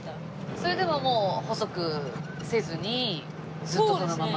それでももう細くせずにずっとそのまま？